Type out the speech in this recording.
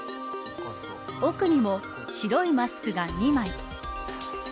奥にも白いマスクが２枚。